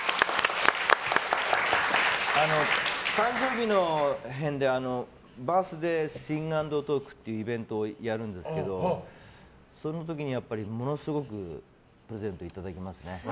誕生日の辺で、バースデーシング＆トークっていうイベントをやるんですけどその時にものすごくプレゼントいただきますね。